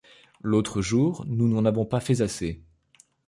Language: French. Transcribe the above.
L’autre jour, nous n’en avons pas fait assez.